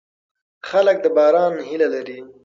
خلک د باران هیله لري.